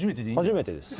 初めてです。